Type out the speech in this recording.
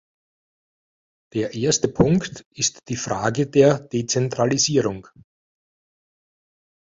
Der erste Punkt ist die Frage der Dezentralisierung.